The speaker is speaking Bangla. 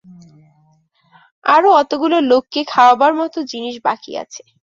আরো অতগুলো লোককে খাওয়াবার মতো জিনিস বাকি আছে।